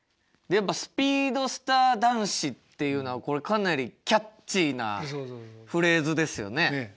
やっぱ「スピードスター男子」っていうのはこれかなりキャッチーなフレーズですよね。